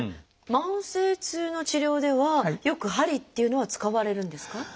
慢性痛の治療ではよく鍼っていうのは使われるんですか？